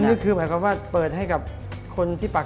เลิกแล้วครับสิทุก